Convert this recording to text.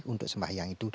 untuk sembahyang itu